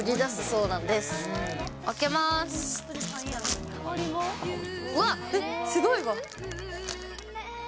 うわ、すごいわ。